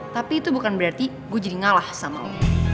tapi itu bukan berarti gue jadi ngalah sama lo